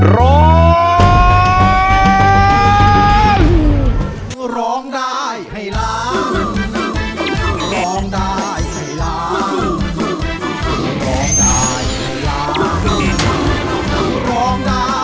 ร้องได้ให้ล้าน